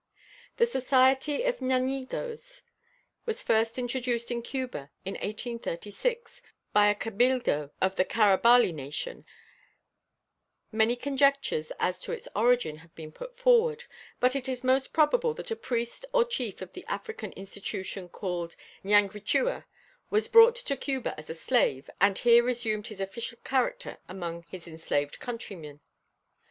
The society of Ñáñigos was first introduced in Cuba in 1836 by a cabildo of the Carabalí nation; many conjectures as to its origin have been put forward, but it is most probable that a priest or Chief of the African institution called Ñanguitua, was brought to Cuba as a slave and here resumed his official character among his enslaved countrymen.